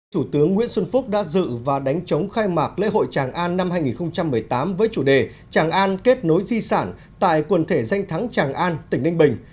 thủ tướng nguyễn xuân phúc đã dự và đánh chống khai mạc lễ hội tràng an năm hai nghìn một mươi tám với chủ đề tràng an kết nối di sản tại quần thể danh thắng tràng an tỉnh ninh bình